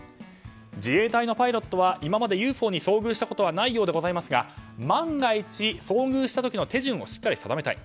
自衛隊のパイロットは今までＵＦＯに遭遇したことはないようでございますが万が一、遭遇した時の手順をしっかり定めたい。